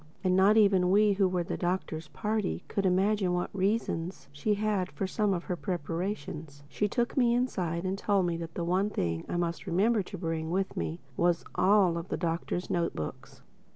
And not even we, who were of the Doctor's party, could imagine what reasons she had for some of her preparations. She took me inside and told me that the one thing I must remember to bring with me was all of the Doctor's note books.